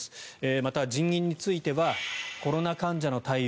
また、人員についてはコロナ患者の対応